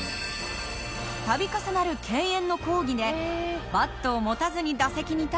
度重なる敬遠の抗議でバットを持たずに打席に立ったり。